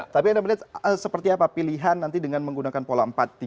tapi anda melihat seperti apa pilihan nanti dengan menggunakan pola empat tiga